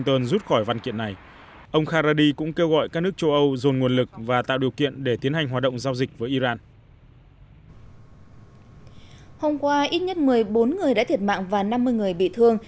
hôm qua ít nhất một mươi bốn người đã thiệt mạng và năm mươi người bị thương